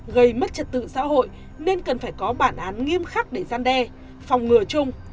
gây mất trật tự xã hội nên cần phải có bản án nghiêm khắc để gian đe phòng ngừa chung